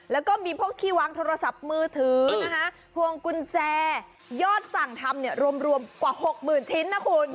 แล้วก็มีพวกที่วางโทรศัพท์มือถือนะคะพวงกุญแจยอดสั่งทำเนี่ยรวมกว่า๖๐๐๐ชิ้นนะคุณ